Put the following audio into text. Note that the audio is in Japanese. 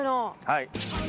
はい。